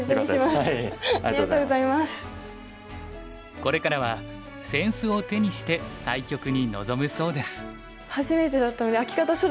これからは扇子を手にして対局に臨むそうです。